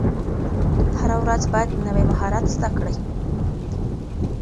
هره ورځ باید نوی مهارت زده کړئ.